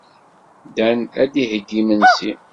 Dan ad d-iheyyi imensi.